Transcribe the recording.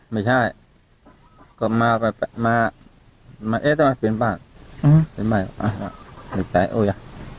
ไม่ใช่ก็มาไปมาเอ๊ะต้องมาเป็นบ้านอืมเป็นบ้านอ่ะไม่ใจโอ้ยะ